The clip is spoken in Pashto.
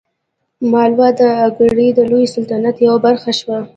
مالوه د اګرې د لوی سلطنت یوه برخه شوه.